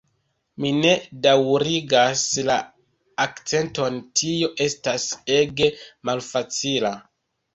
Mi ne daŭrigas la akĉenton tio estas ege malfacila